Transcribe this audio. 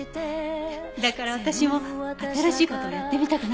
だから私も新しい事をやってみたくなったのかも。